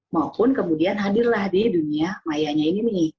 maupun kemudian hadirlah di dunia mayanya ini nih